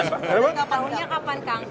kau tahu nih kapan kang